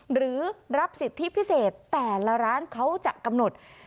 หรือรับสิทธิพิเศษแต่ละร้านเขาจะกำหนด